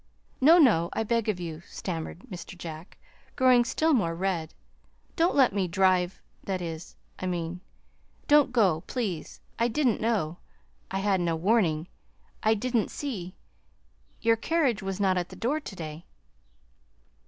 "No, no, I beg of you," stammered Mr. Jack, growing still more red. "Don't let me drive that is, I mean, don't go, please. I didn't know. I had no warning I didn't see Your carriage was not at the door to day."